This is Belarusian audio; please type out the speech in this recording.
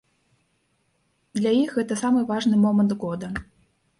Для іх гэта самы важны момант года.